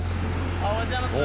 おはようございます。